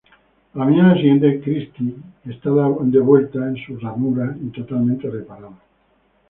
A la mañana siguiente, Christine está de vuelta en su ranura y totalmente reparada.